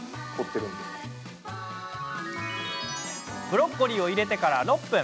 ブロッコリーを入れてから６分。